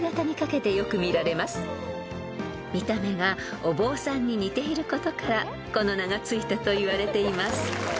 ［見た目がお坊さんに似ていることからこの名が付いたといわれています］